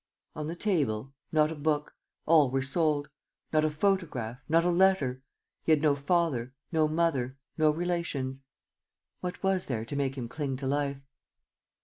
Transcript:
On the table, not a book: all were sold. Not a photograph, not a letter: he had no father, no mother, no relations. What was there to make him cling to life?